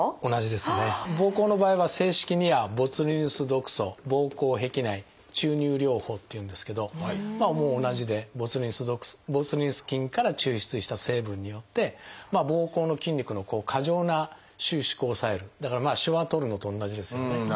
ぼうこうの場合は正式には「ボツリヌス毒素ぼうこう壁内注入療法」っていうんですけど同じでボツリヌス菌から抽出した成分によってぼうこうの筋肉の過剰な収縮を抑えるだからしわを取るのと同じですよね。